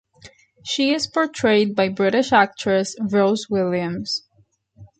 She is portrayed by British actress Rose Williams.